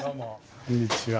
こんにちは。